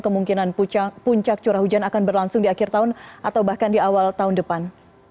kemungkinan puncak curah hujan akan berlangsung di akhir tahun atau bahkan di awal tahun depan